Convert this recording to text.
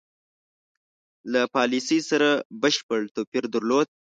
له پالیسی سره بشپړ توپیر درلود.